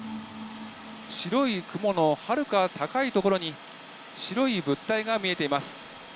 白い雲のはるか高い所に、白い物体が見えています。